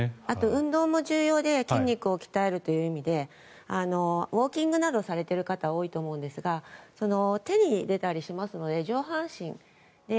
運動も重要で筋肉を増やすという意味でウォーキングなどされている方が多いと思いますが手に出たりしますので上半身で。